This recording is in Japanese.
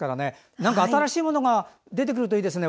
何か新しいものが出てくるといいですね。